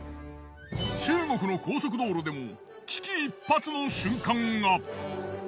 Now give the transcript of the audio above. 中国の高速道路でも危機一髪の瞬間が。